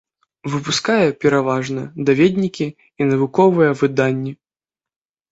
Выпускае пераважна даведнікі і навуковыя выданні.